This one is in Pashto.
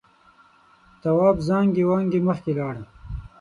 تواب زانگې وانگې مخکې لاړ.